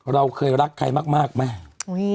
เราเคยรักใครมากไหม